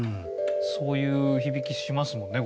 そういう響きしますもんね